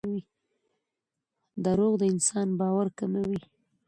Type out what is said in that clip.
دراوغ دانسان باور کموي